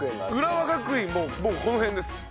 浦和学院ももうこの辺です。